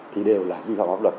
thì đều là vi phạm pháp luật